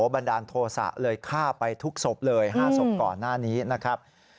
บันดาลโทษะเลยฆ่าไปทุกศพเลย๕ศพก่อนหน้านี้นะครับ